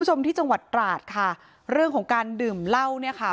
คุณผู้ชมที่จังหวัดตราดค่ะเรื่องของการดื่มเหล้าเนี่ยค่ะ